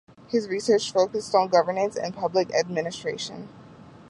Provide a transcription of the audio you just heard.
His research focused on governance and public administration.